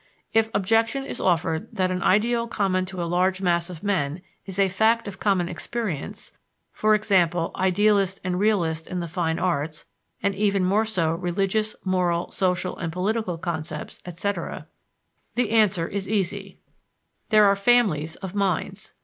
If objection is offered that an ideal common to a large mass of men is a fact of common experience (e.g., idealists and realists in the fine arts, and even more so religious, moral, social and political concepts, etc.), the answer is easy: There are families of minds.